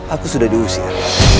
aku sudah diusir